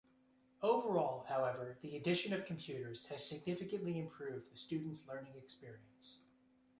Overall, however, the addition of computers has significantly improved the student's learning experience.